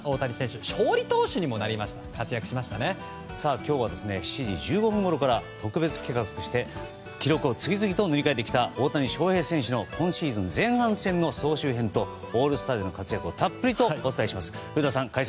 今日は７時１５分ごろから特別企画として記録を次々と塗り替えてきた大谷翔平選手の今シーズン前半戦の総集編とオールスターでの活躍をたっぷりとお伝えします。